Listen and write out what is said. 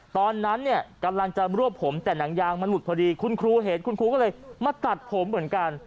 ตอนนั้นเนี่ยกำลังจะรวบผมแต่หนังยางมันหลุดพอดีคุณครูเห็นคุณครูก็เลยมาตัดผมเหมือนกัน